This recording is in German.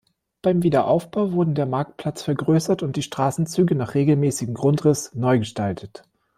Beim Wiederaufbau wurden der Marktplatz vergrößert und die Straßenzüge nach regelmäßigem Grundriss neu gestaltet.